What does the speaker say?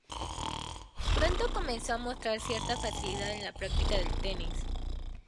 Pronto comenzó a mostrar cierta facilidad en la práctica del tenis.